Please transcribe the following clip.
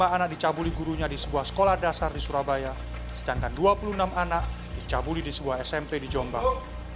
dua puluh anak dicabuli gurunya di sebuah sekolah dasar di surabaya sedangkan dua puluh enam anak dicabuli di sebuah smp di jombang